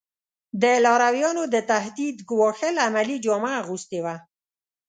د لارویانو د تهدید ګواښل عملي جامه اغوستې وه.